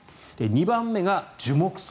２番目が樹木葬。